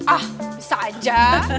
ah bisa aja